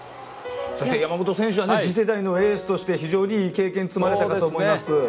そして山本選手は次世代のエースとして非常に経験を積まれたかと思います。